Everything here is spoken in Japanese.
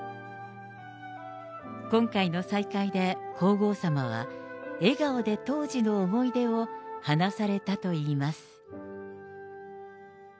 今回の再会で、皇后さまは、笑顔で当時の思い出を話されたといいます。